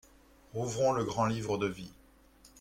Rouvrons le grand livre de vie.